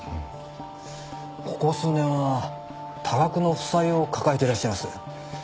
ここ数年は多額の負債を抱えていらっしゃいます。